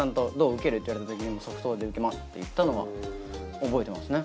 受ける？って言われたときに即答で受けますって言ったのは覚えてますね。